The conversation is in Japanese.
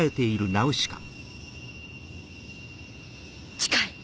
近い！